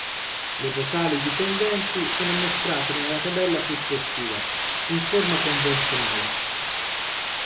Le vocali dipendenti sono mostrate nella tabella successiva, in forma convenzionale.